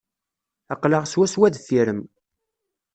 Aql-aɣ swaswa deffir-m.